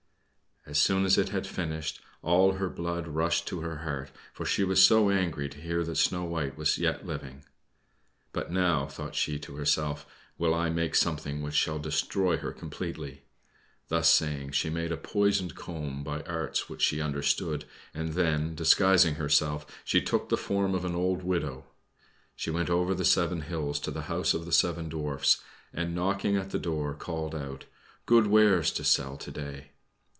As soon as it had finished, all her blood rushed to her heart, for she was so angry to hear that Snow White was yet living. "But now," thought she to herself, "will I make something which shall destroy her completely." Thus saying, she made a poisoned comb by arts which she understood, and then, disguising herself, she took the form of an old widow. She went over the seven hills to the house of the seven Dwarfs, and knocking at the door, called out, "Good wares to sell to day!"